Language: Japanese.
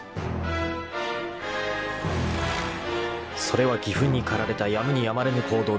［それは義憤に駆られたやむにやまれぬ行動であった］